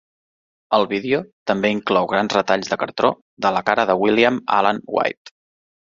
El vídeo també inclou grans retalls de cartró de la cara de William Allen White.